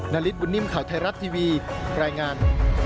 นาริสบุญนิ่มข่าวไทยรัฐทีวีรายงาน